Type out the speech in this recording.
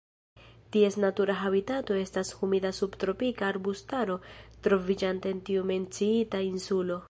Ties natura habitato estas humida subtropika arbustaro troviĝanta en tiu menciita insulo.